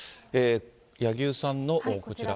柳生さんのこちら。